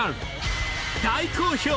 ［大好評！